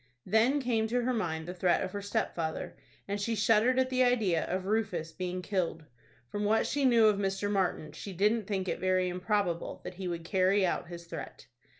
Then came to her mind the threat of her stepfather, and she shuddered at the idea of Rufus being killed. From what she knew of Mr. Martin, she didn't think it very improbable that he would carry out his threat.